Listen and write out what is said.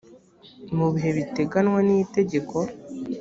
mu bihe biteganywa n itegeko